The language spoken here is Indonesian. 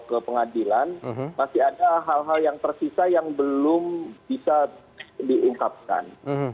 ke pengadilan masih ada hal hal yang tersisa yang belum bisa diungkapkan